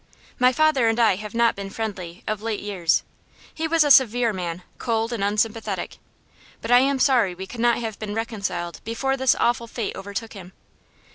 My father and I have not been friendly, of late years. He was a severe man, cold and unsympathetic, but I am sorry we could not have been reconciled before this awful fate overtook him.